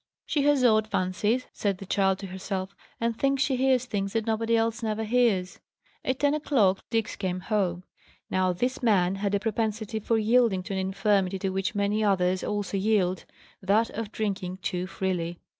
"She has odd fancies," said the child to herself, "and thinks she hears things that nobody else never hears." At ten o'clock Diggs came home. Now, this man had a propensity for yielding to an infirmity to which many others also yield that of drinking too freely.